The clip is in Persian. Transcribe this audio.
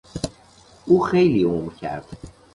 او خیلی عمر کرد.